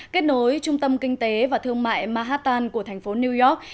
kết nối trung tâm kinh tế và thương mại mahatan của thành phố new york